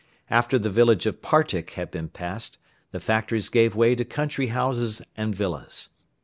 After the village of Partick had been passed the factories gave way to country houses and villas.